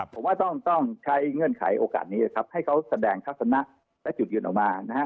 ผมว่าต้องใช้เงื่อนไขโอกาสนี้ครับให้เขาแสดงทัศนะและจุดยืนออกมานะฮะ